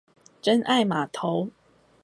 真愛碼頭